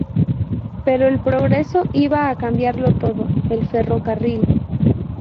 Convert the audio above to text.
Pero el progreso iba a cambiarlo todo: el Ferrocarril.